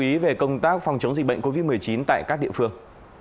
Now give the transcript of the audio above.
chú ý về công tác phòng chống dịch bệnh covid một mươi chín tại các địa phương